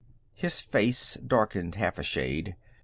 His face darkened half a shade.